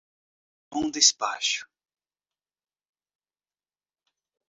Bom Despacho